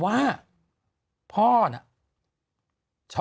แบบนี้